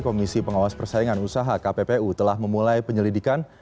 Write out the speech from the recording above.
komisi pengawas persaingan usaha kppu telah memulai penyelidikan